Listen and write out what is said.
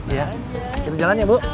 iya kita jalan ya bu